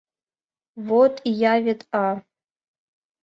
Вот ия вет, а.